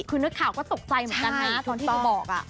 คุณนักข่าวก็ตกใจเหมือนกันนะ